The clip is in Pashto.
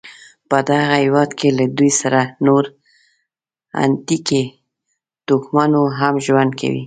په دغه هېواد کې له دوی سره نور اتنیکي توکمونه هم ژوند کوي.